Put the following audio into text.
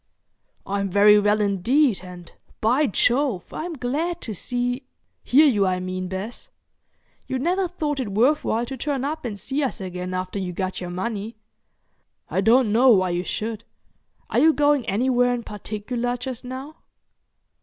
"I'm very well indeed, and, by Jove! I'm glad to see—hear you, I mean, Bess. You never thought it worth while to turn up and see us again after you got your money. I don't know why you should. Are you going anywhere in particular just now?"